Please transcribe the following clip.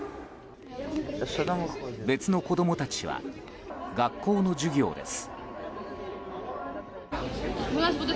別の子供たちは学校の授業です。